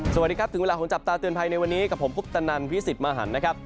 สวัสดีครับถึงเวลาของจับตาเตือนภัยในวันนี้กับผมคุปตนันวิสิทธิ์มหันนะครับ